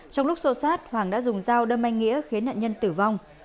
trong lúc xô sát hoàng đã dùng dao đâm anh nghĩa khiến nạn nhân tử vong